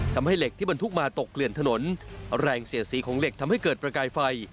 ทำให้เหล็กที่บรรทุกมาตกเกลื่อนถนนแรงเสียดสีของเหล็กทำให้เกิดประกายไฟ